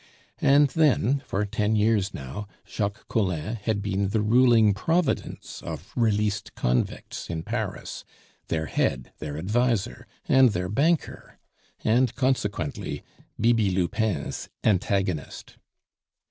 And then, for ten years now, Jacques Collin had been the ruling providence of released convicts in Paris, their head, their adviser, and their banker, and consequently Bibi Lupin's antagonist.